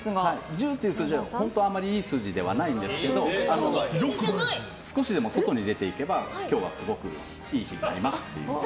１０という数字は本当はあまりいい数字ではないんですけど少しでも外に出て行けば、今日はすごくいい日になりますという。